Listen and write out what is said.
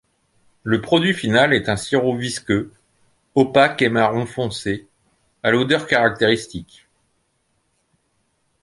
Le produit final est un sirop visqueux, opaque et marron foncé, à l'odeur caractéristique.